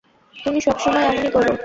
তুমি সবসময় এমনই করো।